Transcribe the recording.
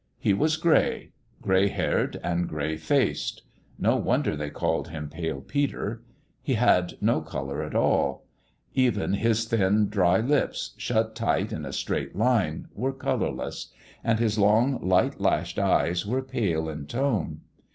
He was gray gray haired and gray faced. No wonder they called him Pale Peter ! He had no colour at all : even his thin, dry lips, shut tight in a straight line, were colourless ; and his long, light lashed eyes were pale in tone.